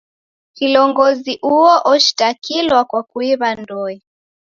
Kilongozi uo oshitakilwa kwa kuiw'a ndoe.